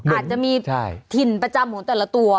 อาจจะมีถิ่นประจำของแต่ละตัว